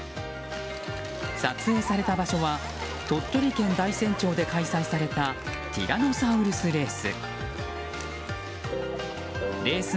撮影された場所は鳥取県大山町で開催されたティラノサウルスレース。